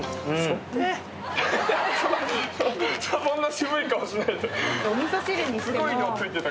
そんな渋い顔しないで。